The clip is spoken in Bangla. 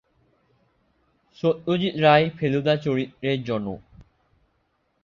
সত্যজিৎ রায় ফেলুদা চরিত্রের জনক।